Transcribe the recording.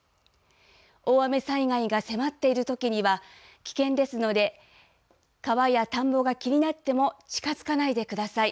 大雨災害が迫っているときには、危険ですので、川や田んぼが気になっても、近づかないでください。